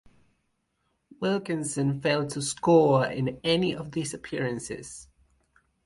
Wilkinson failed to score in any of these appearances.